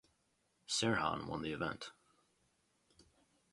Serhan won the event.